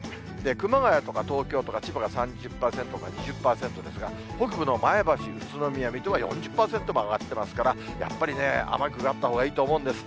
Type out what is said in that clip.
熊谷とか東京とか千葉が３０％から２０％ですが、北部の前橋、宇都宮、水戸が４０％も上がってますから、やっぱりね、雨具があったほうがいいと思うんです。